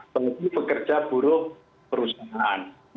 terkait dengan pekerja buruk perusahaan